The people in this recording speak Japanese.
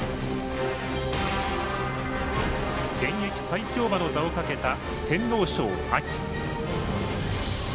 現役最強馬の座をかけた天皇賞。